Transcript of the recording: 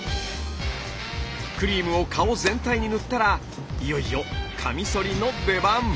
クリームを顔全体に塗ったらいよいよカミソリの出番。